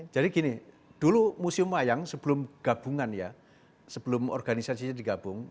jadi gini dulu museum mayang sebelum gabungan ya sebelum organisasinya digabung